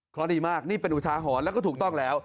เพราะดีมากนี่เป็นอุทาหรณ์แล้วก็ถูกต้องแล้ว